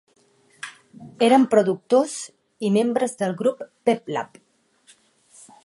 Eren productors i membres del grup Peplab.